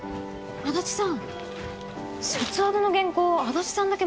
足立さん